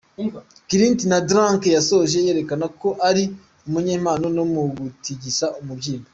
Klint Da Drunk yasoje yerekana ko ari umunyempano no mu gutigisa umubyimba.